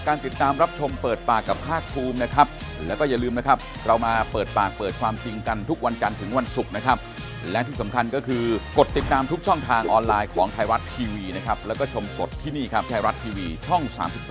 แต่ว่าเราก็พูดเขาเรียกกันท่าไว้ก่อน